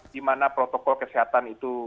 dimana protokol kesehatan itu